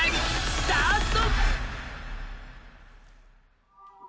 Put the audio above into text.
スタート。